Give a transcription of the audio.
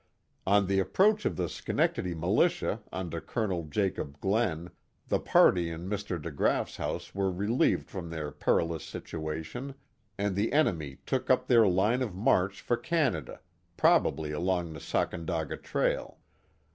On the approach of the Schenectady militia under Col. Jacob Glen the party in Mr. DeGraaf's house were relieved from their perilous situation and the enemy took up their line of march for Canada, probably along the Sacandaga trail.